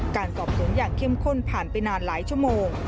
การสอบสวนอย่างเข้มข้นผ่านไปนานหลายชั่วโมง